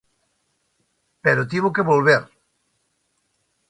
Pero tivo que volver.